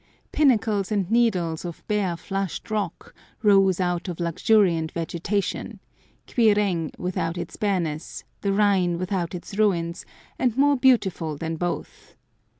Pinnacles and needles of bare, flushed rock rose out of luxuriant vegetation—Quiraing without its bareness, the Rhine without its ruins, and more beautiful than both.